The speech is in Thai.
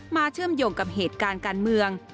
เชื่อมโยงกับเหตุการณ์การเมือง